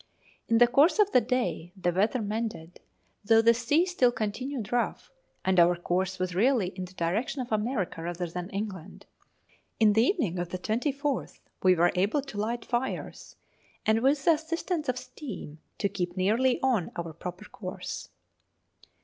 In the course of the day the weather mended, though the sea still continued rough, and our course was really in the direction of America rather than England. In the evening of the 24th we were able to light fires, and, with the assistance of steam, to keep nearly on our proper course.